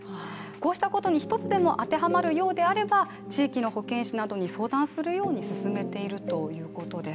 こうしたことに１つでも当てはまるようであれば地域の保健師などに相談するように勧めているということです。